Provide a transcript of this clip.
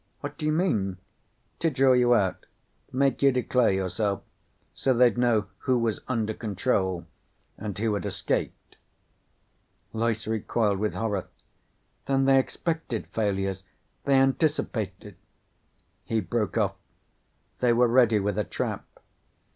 What do you mean?" "To draw you out. Make you declare yourself. So they'd know who was under control and who had escaped." Loyce recoiled with horror. "Then they expected failures! They anticipated " He broke off. "They were ready with a trap."